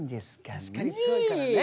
確かに強いからね。